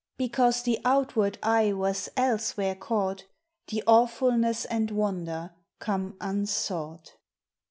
Because the outward eye was elsewhere caught, The awfulness and wonder come unsought.